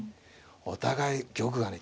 お互い玉がね